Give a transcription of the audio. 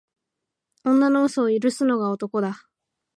女の嘘は許すのが男だ